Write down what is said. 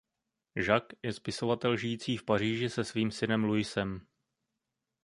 Jacques je spisovatel žijící v Paříži se svým synem Louisem.